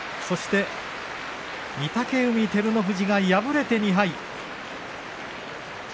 そして御嶽海照ノ富士が敗れて２敗。